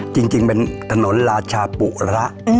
จริงเป็นถนนราชาปุระ